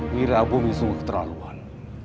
wirabumi sungguh keterlaluan